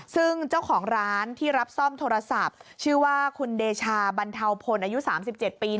ซึ่งเจ้าของร้านที่รับซ่อมโทรศัพท์ชื่อว่าคุณเดชาบรรเทาพลอายุ๓๗ปี